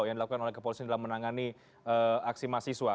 yang dilakukan oleh kepolisian dalam menangani aksi mahasiswa